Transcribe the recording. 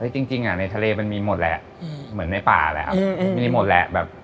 จริงในทะเลมันมีหมดแหละเหมือนในป่าแหละครับมีหมดแหละแบบ